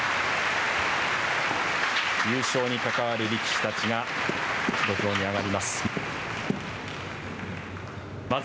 優勝に関わる力士たちが土俵に上がります。